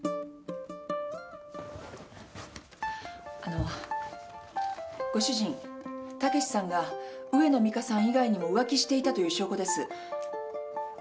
あのご主人武さんが上野美香さん以外にも浮気していたという証拠です。